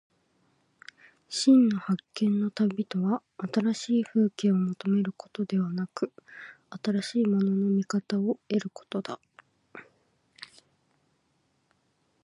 真の発見の旅とは、新しい風景を求めることでなく、新しいものの見方を得ることだ。